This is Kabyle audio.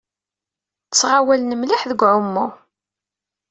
Ttɣawalen mliḥ deg uɛumu.